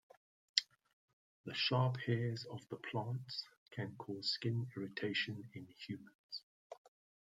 The sharp hairs of the plants can cause skin irritation in humans.